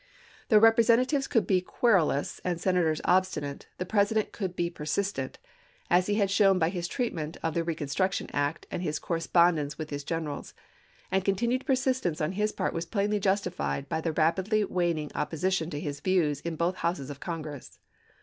Though Eepresentatives could be querulous and Senators obstinate the President could be persis tent, as he had shown by his treatment of the re construction act, and his correspondence with his generals; and continued persistence on his part was plainly justified by the rapidly waning oppo sition to his views in both Houses of Congress.